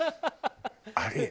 あれ。